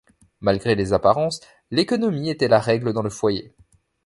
Malgré les apparences, l'économie était la règle dans le foyer.